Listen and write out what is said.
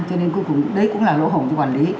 cho nên cuối cùng đấy cũng là lỗ hổng trong quản lý